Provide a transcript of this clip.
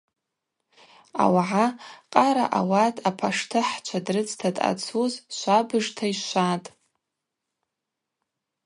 Ауагӏа Къара ауат апаштыхӏчва дрыцта дъацуз швабыжта йшватӏ.